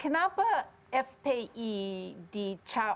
kenapa fpi dicap teroris